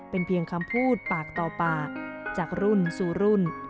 เป็นเพียงคำพูดปากต่อปากจากรุ่นสู่รุ่น